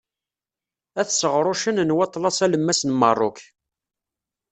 At Seɣrucen n Waṭlas Alemmas n Merruk.